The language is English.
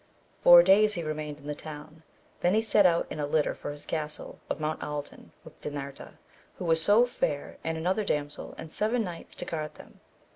Four days he remained in the town, then he set out in a litter for his castle of Mount Aldin with Dinarda who was so fair and another damsel, and seven knights to guard them.